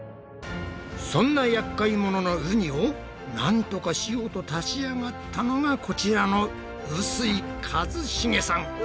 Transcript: そんなやっかいもののウニをなんとかしようと立ち上がったのがこちらの臼井一茂さん。